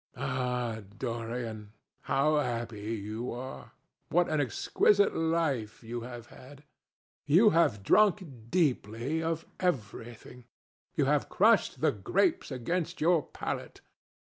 Ah, Dorian, how happy you are! What an exquisite life you have had! You have drunk deeply of everything. You have crushed the grapes against your palate.